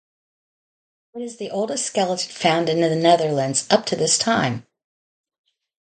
It is the oldest skeleton found in the Netherlands up to this time.